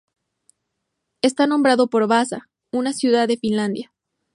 Está nombrado por Vaasa, una ciudad de Finlandia.